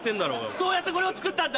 どうやってこれを作ったんだ？